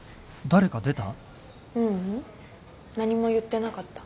ううん何も言ってなかった。